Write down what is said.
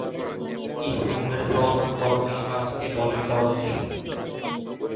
ইসলামের প্রধান করণীয় কাজকে বলে 'ফরজ'।